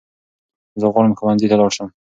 زه غواړم ښونځي ته لاړشم